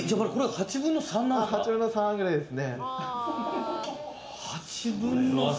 ８分の３ぐらいですね。